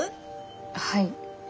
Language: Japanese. はい。